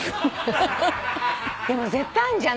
でも絶対あんじゃん。